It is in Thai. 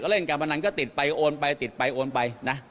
เล่นการพนันก็ติดไปโอนไปติดไปโอนไปนะ